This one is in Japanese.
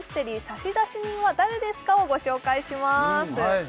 「差出人は、誰ですか？」をご紹介します